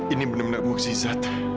ini benar benar mukjizat